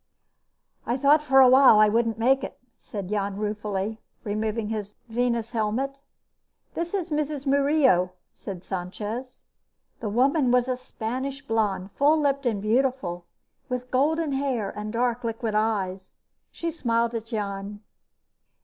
"I thought for a while I wouldn't make it," said Jan ruefully, removing his venushelmet. "This is Mrs. Murillo," said Sanchez. The woman was a Spanish blonde, full lipped and beautiful, with golden hair and dark, liquid eyes. She smiled at Jan.